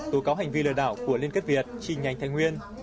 tố cáo hành vi lừa đảo của liên kết việt trình nhành thanh nguyên